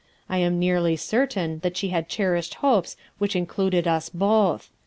I am nearly certain that she had cherished hopes which included us both.